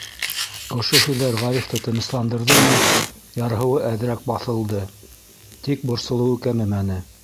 Ошо һүҙҙәр Ғарифты тынысландырҙымы, ярһыуы әҙерәк баҫылды, тик борсолоуы кәмемәне.